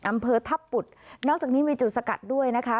อำเภอทัพปุดนอกจากนี้มีจุดสกัดด้วยนะคะ